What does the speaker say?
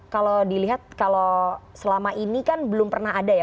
kalau dilihat kalau selama ini kan belum pernah ada ya